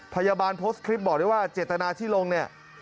โพสต์คลิปบอกได้ว่าเจตนาที่ลงเนี่ย